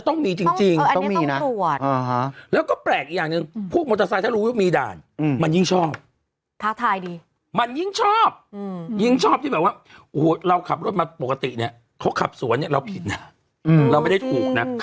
ที่แบบว่าโอ้โหเราขับรถมาปกติเนี่ยเขาขับสวนเนี่ยเราผิดเราไม่ได้ถูกนะ